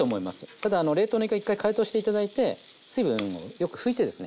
ただ冷凍のいか一回解凍して頂いて水分よく拭いてですね